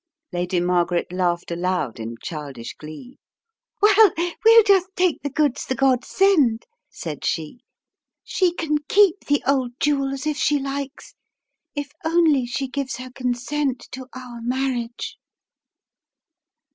Lady Margaret laughed aloud in childish glee. "Well, we'll just take the goods the gods send," said she. "She can keep the old jewels if she likes, if only she gives her consent to our marriage."